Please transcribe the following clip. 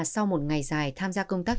sau một ngày dài tham gia công tác